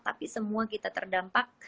tapi semua kita terdampak